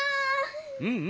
うんうん。